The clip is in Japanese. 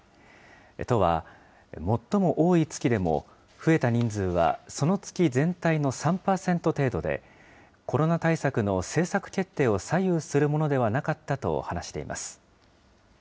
都は、最も多い月でも増えた人数は、その月全体の３％程度で、コロナ対策の政策決定を左右するものではなかったと話しています。